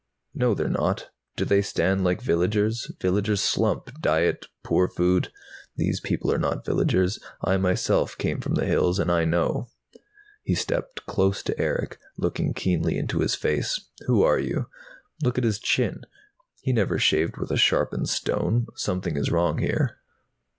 "No, they're not. They don't stand like villagers. Villagers slump diet, poor food. These people are not villagers. I myself came from the hills, and I know." He stepped close to Erick, looking keenly into his face. "Who are you? Look at his chin he never shaved with a sharpened stone! Something is wrong here."